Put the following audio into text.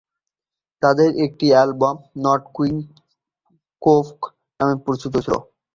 তাদের একটি album "Not Quite Folk" নামে পরিচিত ছিল।